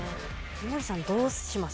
井森さんどうします？